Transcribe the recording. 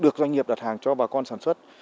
được doanh nghiệp đặt hàng cho bà con sản xuất